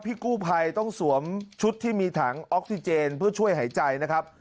พี่กู้ภัยต้องสวมชุดที่มีถังออกซิเจนเพื่อช่วยหายใจนะครับ